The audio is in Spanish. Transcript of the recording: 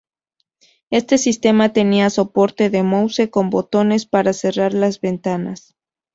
Este sistema tenía soporte de mouse, con botones para cerrar las ventanas.